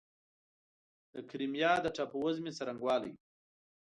د کریمیا د ټاپووزمې څرنګوالی